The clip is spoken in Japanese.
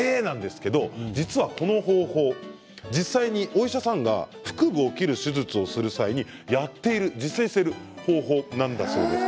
実はこの方法実際にお医者さんが腹部を切る手術をする際にやっている実践している方法なんだそうです。